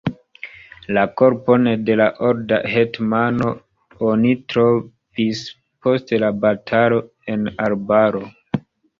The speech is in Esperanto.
La korpon de la olda hetmano oni trovis post la batalo en arbaro.